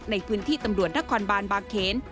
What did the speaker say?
ในพื้นที่ตำรวจนครบานบางเขน